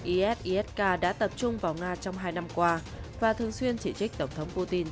is isk đã tập trung vào nga trong hai năm qua và thường xuyên chỉ trích tổng thống putin